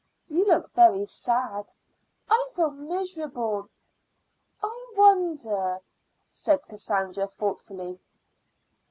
"You look very sad." "I feel miserable." "I wonder " said Cassandra thoughtfully.